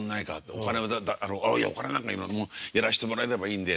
お金はいやお金なんかやらしてもらえればいいんでって。